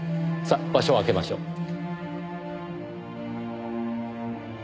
さあ場所をあけましょう。